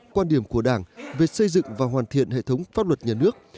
quan điểm của đảng về xây dựng và hoàn thiện hệ thống pháp luật nhà nước